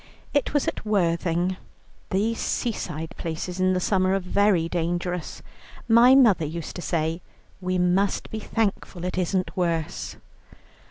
It was at Worthing; those seaside places in the summer are very dangerous. My mother used to say: 'We must be thankful it isn't worse.'